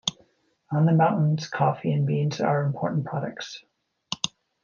On the mountains, coffee and beans are important products.